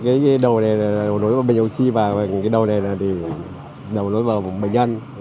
cái đầu này là đấu nối bệnh oxy vào và cái đầu này là đấu nối vào bệnh nhân